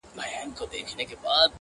دا دی د ژوند و آخري نفس ته ودرېدم!